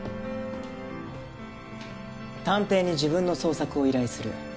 探偵に自分の捜索を依頼する。